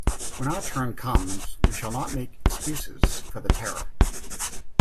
When our turn comes, we shall not make excuses for the terror.